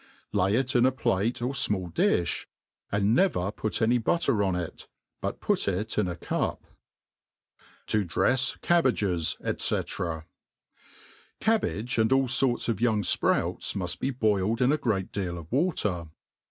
Lay it in a plate, or fmall diffi, and never put any butter oh it, but put it in a cup* Tq drefs CabbageSy isfc^ CABBAGE, and all forts of young fprouts, muft be boiled^ in a great deal of water.